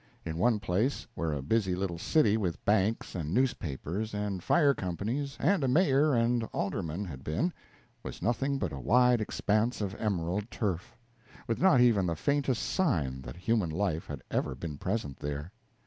In one place, where a busy little city with banks and newspapers and fire companies and a mayor and aldermen had been, was nothing but a wide expanse of emerald turf, with not even the faintest sign that human life had ever been present there.